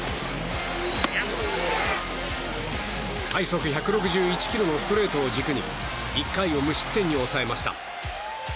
最速１６１キロのストレートを軸に１回を無失点に抑えました。